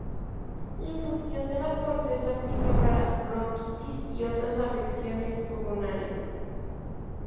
Infusión de la corteza se aplica para bronquitis y otras afecciones pulmonares.